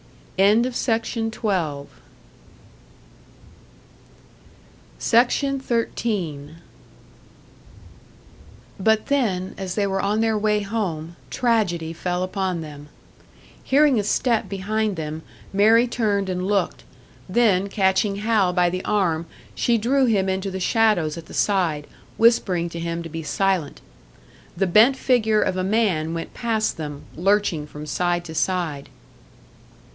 SECTION 13. But then, as they were on their way home, tragedy fell upon them. Hearing a step behind them, Mary turned and looked; then catching Hal by the arm, she drew him into the shadows at the side, whispering to him to be silent. The bent figure of a man went past them, lurching from side to side.